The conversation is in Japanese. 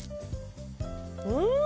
うん！